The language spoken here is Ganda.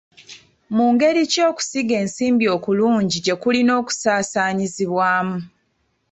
Mu ngeri ki okusiga ensimbi okulungi gye kulina okusaasaanyizibwamu?